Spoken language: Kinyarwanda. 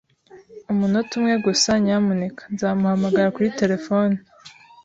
Umunota umwe gusa, nyamuneka. Nzamuhamagara kuri terefone